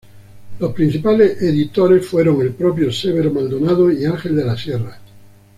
Los principales editores fueron el propio Severo Maldonado y Ángel de la Sierra.